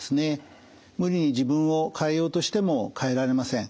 無理に自分を変えようとしても変えられません。